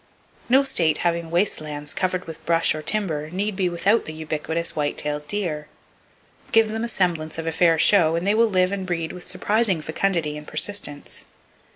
No state having waste lands covered with brush or timber need be without the ubiquitous white tailed deer. Give them a semblance of a fair show, and they will live and breed with surprising fecundity and persistence.